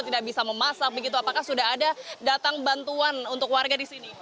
tidak bisa memasak begitu apakah sudah ada datang bantuan untuk warga di sini